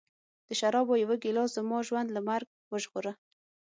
د شرابو یوه ګیلاس زما ژوند له مرګ وژغوره